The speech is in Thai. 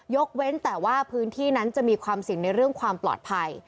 เว้นแต่ว่าพื้นที่นั้นจะมีความเสี่ยงในเรื่องความปลอดภัย